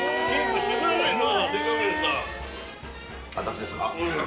私ですか？